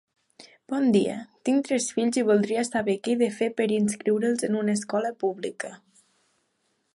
Bon dia, tinc tres fills i voldria saber què he de fer per inscriure'ls en una escola pública.